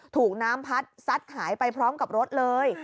ถูกน้ำพัดซัดหายไปพร้อมกับรถเลย